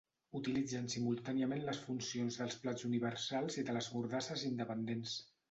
Utilitzen simultàniament les funcions dels plats universals i de les mordasses independents.